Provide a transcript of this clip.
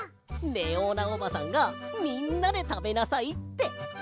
レオーナおばさんがみんなでたべなさいって。